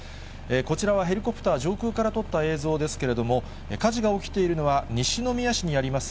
こちらはヘリコプター、上空から撮った映像ですけれども、火事が起きているのは、西宮市にあります